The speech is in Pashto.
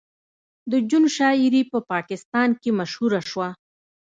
د جون شاعري په پاکستان کې مشهوره شوه